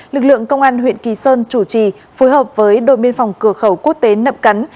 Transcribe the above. lực lượng công an huyện kỳ sơn chủ trì phối hợp với đội biên phòng cửa khẩu quốc tế nậm cắn